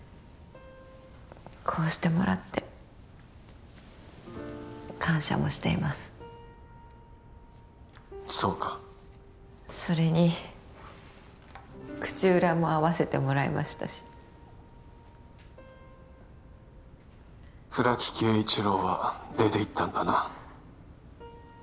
こうしてもらって感謝もしていますそうかそれに口裏も合わせてもらいましたし倉木恵一郎は出ていったんだな